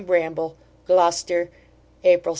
BRAMBLE GLOUCESTER, April 2.